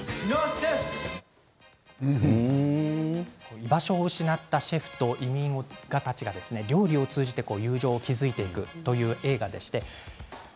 居場所を失ったシェフと移民たちがこうやって友情を築いていくという映画です。